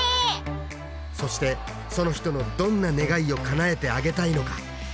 そしてその人のどんな願いをかなえてあげたいのか？